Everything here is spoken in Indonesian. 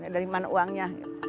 dari mana uangnya